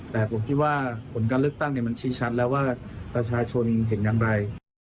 แต่ผมคิดว่าผลการเลือกตั้งมันชี้ชัดแล้วว่าประชาชนเห็นอย่างไร